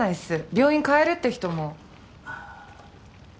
病院変えるって人も。